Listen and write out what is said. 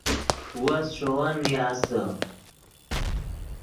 وس ݰے ون نیاستے